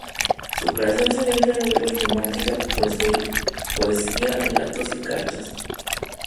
Su creación se centra en novela romántica, poesía, relatos y cartas.